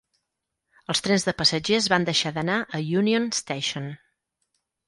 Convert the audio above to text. Els trens de passatgers van deixar d'anar a Union Station.